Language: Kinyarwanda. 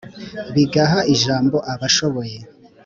bigaha ijambo abashoboye,